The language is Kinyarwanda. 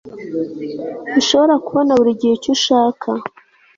ntushobora kubona buri gihe icyo ushaka